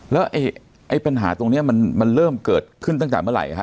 แล้วไอ้ปัญหาตรงนี้มันเริ่มเกิดขึ้นตั้งแต่เมื่อไหร่ฮะ